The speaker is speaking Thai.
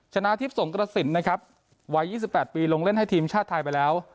ชนะทิพย์สงกระสินนะครับวัย๒๘ปีลงเล่นให้ทีมชาติไทยไปแล้ว